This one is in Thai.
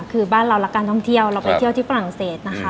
คือบ้านเรารักการท่องเที่ยวเราไปเที่ยวที่ฝรั่งเศสนะคะ